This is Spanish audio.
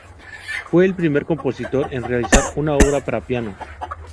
Fue el primer compositor en realizar una obra para piano.